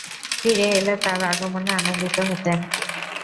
ফিরে এলে তার আগমনে আনন্দিত হতেন।